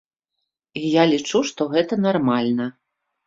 І я лічу, што гэта нармальна.